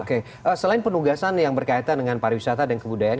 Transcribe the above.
oke selain penugasan yang berkaitan dengan pariwisata dan kebudayaan